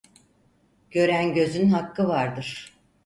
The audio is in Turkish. Gören gözün hakkı vardır.